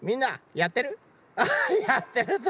やってるぞ。